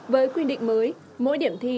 với quy định mới mỗi điểm thi